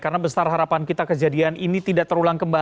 karena besar harapan kita kejadian ini tidak terulang kembali